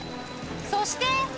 そして